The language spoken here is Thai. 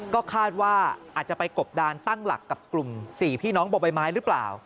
ก็คาดว่าอาจจะไปกบดานตั้งหลักกับกลุ่ม๔พี่น้องบ่อใบไม้หรือเปล่า